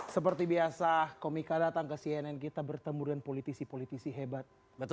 seperti biasa komika datang ke cnn kita bertemu dengan politisi politisi hebat